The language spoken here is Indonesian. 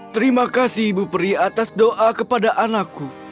terima kasih ibu peri atas doa kepada anakku